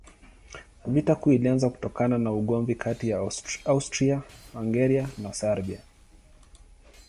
Vita Kuu ilianza kutokana na ugomvi kati ya Austria-Hungaria na Serbia.